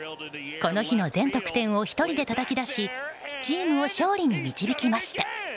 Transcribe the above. この日の全得点を１人でたたき出しチームを勝利に導きました。